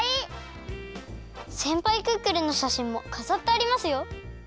せんぱいクックルンのしゃしんもかざってありますよ！